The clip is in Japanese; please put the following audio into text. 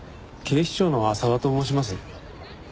警視庁の浅輪と申します。